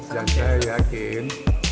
jangan saya yakin